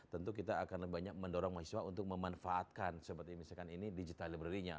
tentu kita akan banyak mendorong mahasiswa untuk memanfaatkan seperti misalkan ini digital library nya